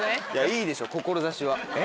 いいでしょ志は。